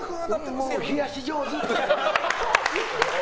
もう、冷やし上手っ！とか。